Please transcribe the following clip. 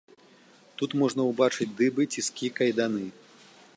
Тут можна ўбачыць дыбы, ціскі, кайданы.